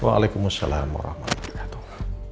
waalaikumsalam warahmatullahi wabarakatuh